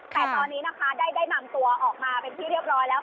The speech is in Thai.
แต่ตอนนี้นะคะได้นำตัวออกมาเป็นที่เรียบร้อยแล้ว